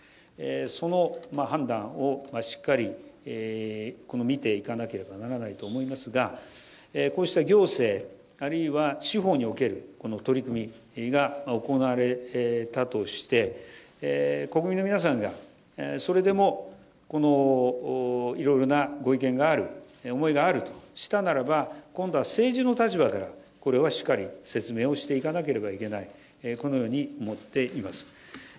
その判断をしっかり見ていかなければならないと思いますが、こうした行政、あるいは司法におけるこの取り組みが行われたとして、国民の皆さんがそれでもこのいろいろなご意見がある、思いがあるとしたならば、今度は政治の立場からこれはしっかり説明をしていかなければいけない、このように思っています。